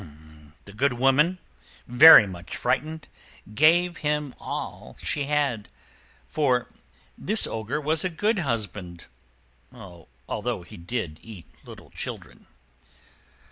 The good woman, very much frightened, gave him all she had; for this Ogre was a good husband, although he did eat little children.